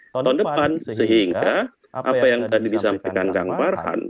tahun depan sehingga apa yang tadi disampaikan kang farhan